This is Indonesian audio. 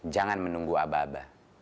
jangan menunggu abah abah